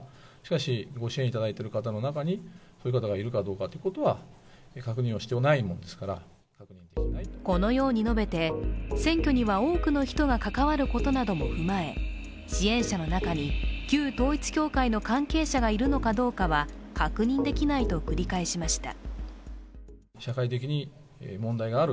そして今日、旧統一教会について新たな質問がこのように述べて、選挙には多くの人が関わることなども踏まえ支援者の中に旧統一教会の関係者がいるのかどうかは確認できないと繰り返しました。